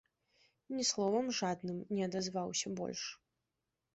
Ні словам жадным не адазваўся больш.